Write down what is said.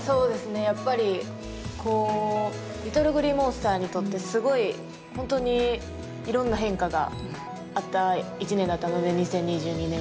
やっぱりＬｉｔｔｌｅＧｌｅｅＭｏｎｓｔｅｒにとってすごい本当にいろんな変化があった一年だったので２０２２年は。